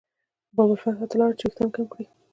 باب الفتح ته لاړل چې وېښتان کم کړي.